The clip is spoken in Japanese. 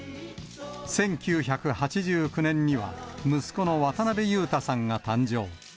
１９８９年には息子の渡辺裕太さんが誕生。